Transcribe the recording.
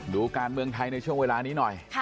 ดูการเมืองไทยในช่วงเวลานี้หน่อย